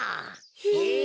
へえ。